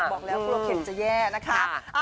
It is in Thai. บอกแล้วกลัวเข็มจะแย่นะคะ